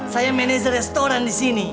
saya manajer restoran di sini